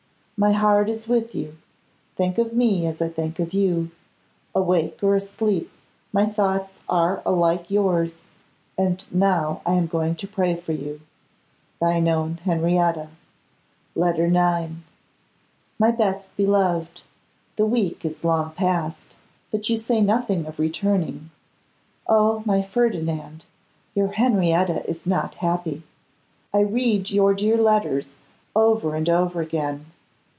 My heart is with you. Think of me as I think of you. Awake or asleep my thoughts are alike yours, and now I am going to pray for you. Thine own Henrietta. Letter IX. My best beloved! The week is long past, but you say nothing of returning. Oh! my Ferdinand, your Henrietta is not happy. I read your dear letters over and over again.